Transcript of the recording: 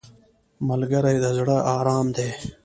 ملګری د زړه ارام دی